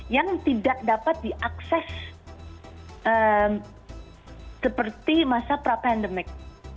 yang tidak dapat diakses seperti masa pra pandemik